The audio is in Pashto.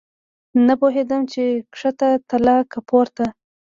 نه پوهېدم چې کښته تله که پورته.